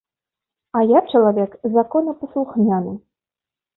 А я чалавек законапаслухмяны.